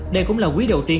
đây cũng là quý đầu tiên